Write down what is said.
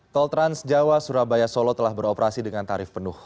tol transjawa surabaya solo telah beroperasi dengan tarif penuh